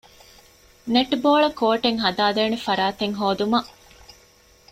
ނެޓްބޯޅަކޯޓެއް ހަދައިދޭނެ ފަރާތެއް ހޯދުމަށް